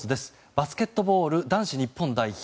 バスケットボール男子日本代表。